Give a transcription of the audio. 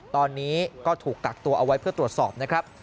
ตอนนี้ก็ถูกกักตัวเอาไว้เพื่อตรวจสอบนะครับ